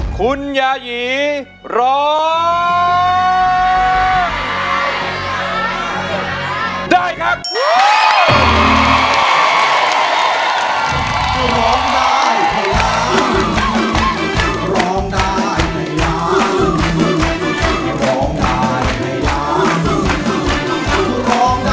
คุณยาหยีร้องได้ครับ